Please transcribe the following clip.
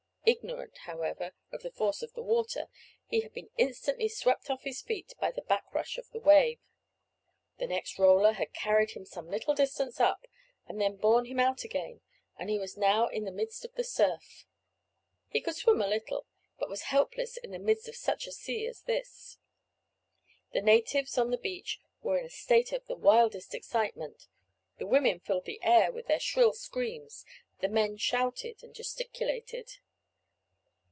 Ignorant, however, of the force of the water, he had been instantly swept off his feet by the back rush of the wave. The next roller had carried him some little distance up, and then borne him out again, and he was now in the midst of the surf. He could swim a little, but was helpless in the midst of such a sea as this. The natives on the beach were in a state of the wildest excitement; the women filled the air with their shrill screams, the men shouted and gesticulated.